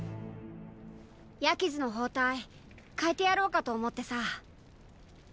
矢傷の包帯かえてやろうかと思ってさ。